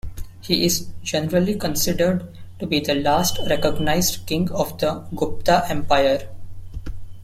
He is generally considered to be the last recognized king of the Gupta Empire.